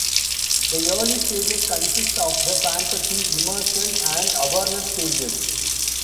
The Early stages consist of the Fantasy, Immersion, and Awareness stages.